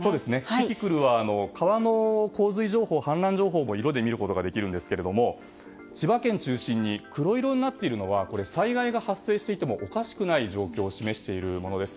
キキクルは川の洪水情報と氾濫情報も色で見ることができますが千葉県を中心に黒色になっているのは災害が発生していてもおかしくない状況を示しているものです。